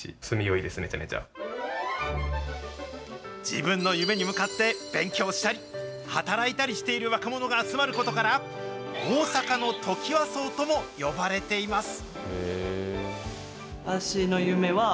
自分の夢に向かって勉強したり、働いたりしている若者が集まることから、大阪のトキワ荘とも呼ばれています。